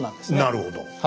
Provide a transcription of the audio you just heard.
なるほど。